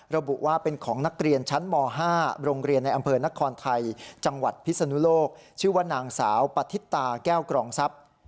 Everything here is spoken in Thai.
ระบุว่าเป็นของนักเรียนชั้นม๕โรงเรียนในอำเภอนครไทยจังหวัดพิศนุโลกชื่อว่านางสาวปฏิตาแก้วกรองทรัพย์